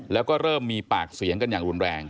แล้วก็เริ่มมีปากเสียงกันอย่างรุนแรง